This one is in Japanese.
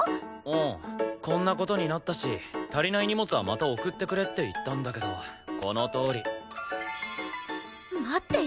こんな事になったし足りない荷物はまた送ってくれって言ったんだけどこのとおり。待って！